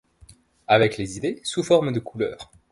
Avec les idées sous forme de couleurs.